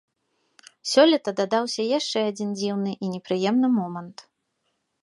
Сёлета дадаўся яшчэ адзін дзіўны і непрыемны момант.